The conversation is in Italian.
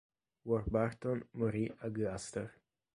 Warburton morì a Gloucester.